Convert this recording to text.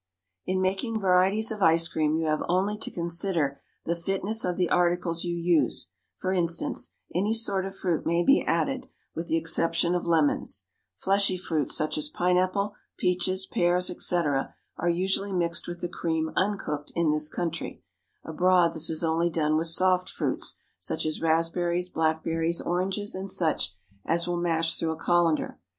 In making varieties of ice cream you have only to consider the fitness of the articles you use; for instance, any sort of fruit may be added, with the exception of lemons. Fleshy fruits, such as pineapple, peaches, pears, etc., are usually mixed with the cream uncooked in this country; abroad this is only done with soft fruits, such as raspberries, blackberries, oranges, and such as will mash through a colander.